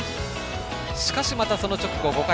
しかし、またその直後、５回。